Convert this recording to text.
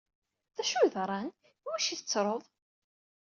D acu yeḍran? Iwacu tettruḍ?